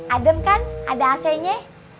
adem kan ada ac nya